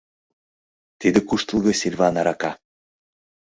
— Тиде куштылго сильван арака.